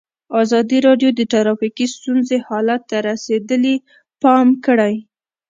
ازادي راډیو د ټرافیکي ستونزې حالت ته رسېدلي پام کړی.